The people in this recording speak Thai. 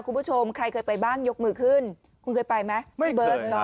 คุณผู้ชมใครเคยไปบ้างยกมือขึ้นคุณเคยไปไหมพี่เบิร์ต